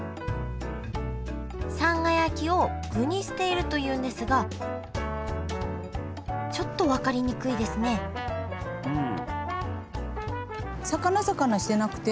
さんが焼きを具にしているというんですがちょっと分かりにくいですねうん。